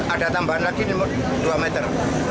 ada tambahan lagi dua meter